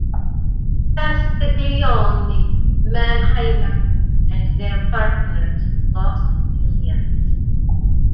Castiglioni, Mannheimer and their partners lost millions.